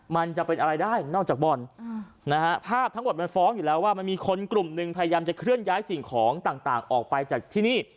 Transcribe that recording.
มันจะเป็นอะไรได้นอกจากบอลนะฮะภาพทั้งหมดมันฟ้องอยู่แล้วว่ามันมีคนกลุ่มหนึ่งพยายามจะเคลื่อนย้ายสิ่งของต่างออกไปจากที่นี่